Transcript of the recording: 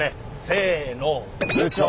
せの。